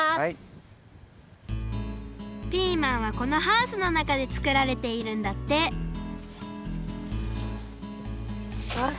ピーマンはこのハウスのなかでつくられているんだってうわすごい。